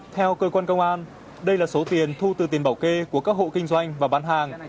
theo cơ quan công an đây là số tiền thu từ tiền bảo kê của các hộ kinh doanh và bán hàng